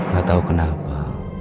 gak tau kenapa